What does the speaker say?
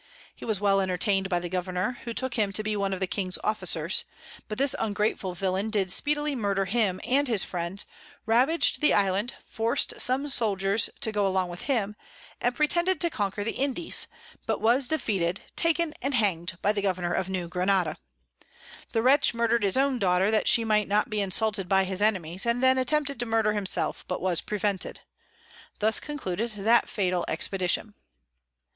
He was "well entertain'd by the Governour, who took him to be one of the King's Officers; but this ungrateful Villain did speedily murder him and his Friends, ravag'd the Island, forc'd some Soldiers to go along with him, and pretended to conquer the Indies; but was defeated, taken and hang'd by the Governour of New Granada. The Wretch murder'd his own Daughter that she might not be insulted by his Enemies, and then attempted to murder himself, but was prevented. Thus concluded that fatal Expedition.